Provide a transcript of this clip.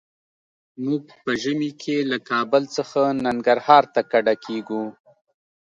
موږ په ژمي کې له کابل څخه ننګرهار ته کډه کيږو.